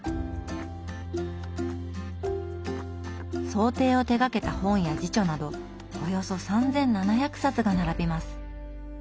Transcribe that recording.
装丁を手がけた本や自著などおよそ３，７００冊が並びます。